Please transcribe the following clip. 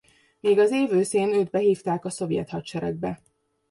Még az év őszén őt behívták a Szovjet Hadseregbe.